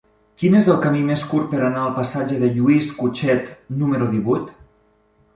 Quin és el camí més curt per anar al passatge de Lluís Cutchet número divuit?